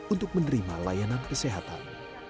untuk menerima layanan kesehatan